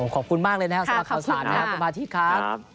ขอบคุณมากเลยนะครับสวัสดิคกับอาทิตย์ครับ